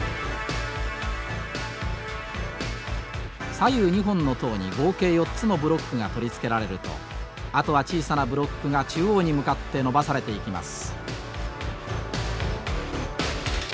左右２本の塔に合計４つのブロックが取り付けられるとあとは小さなブロックが中央に向かって延ばされていきます。